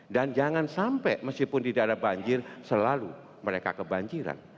dan jangan sampai meskipun tidak ada banjir selalu mereka kebanjiran